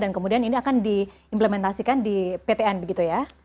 dan kemudian ini akan diimplementasikan di ptn begitu ya